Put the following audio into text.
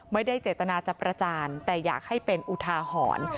ไม่ได้เจตนาจะประจานแต่อยากให้เป็นอุทาหรณ์